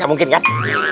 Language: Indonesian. gak mungkin kan